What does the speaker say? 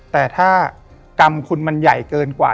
แต่ถ้ากรรมคุณมันใหญ่เกินกว่า